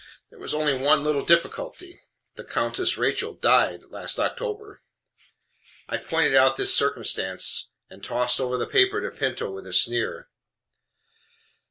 There was only one little difficulty, the Countess Rachel died last October. I pointed out this circumstance, and tossed over the paper to Pinto with a sneer.